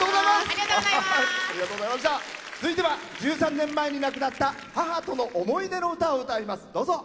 続いては１３年前に亡くなった母との思い出の歌を歌います。